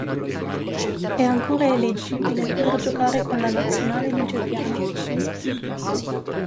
È ancora eleggibile per giocare con la Nazionale nigeriana.